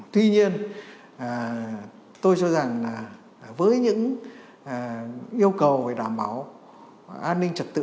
tuy nhiên tôi cho rằng là với những yêu cầu về đảm bảo an ninh trật tự